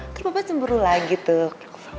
ntar papa semburu lagi tuh